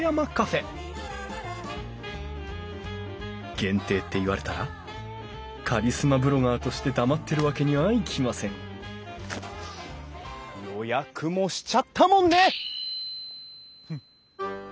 限定って言われたらカリスマブロガーとして黙ってるわけにはいきません予約もしちゃったもんね！